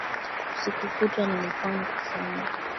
Usiku kutwa nimekuwa nikisoma